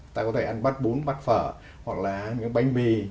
ta có thể ăn bát bún bát phở hoặc là những cái bánh mì